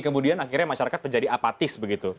kemudian akhirnya masyarakat menjadi apatis begitu